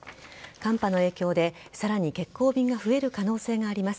寒波の影響でさらに欠航便が増える可能性があります。